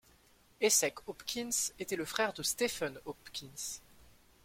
Esek Hopkins était le frère de Stephen Hopkins.